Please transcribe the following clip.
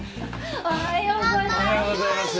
おはようございます。